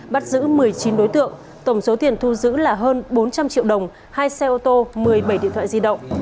bắt giữ một mươi chín đối tượng tổng số tiền thu giữ là hơn bốn trăm linh triệu đồng hai xe ô tô một mươi bảy điện thoại di động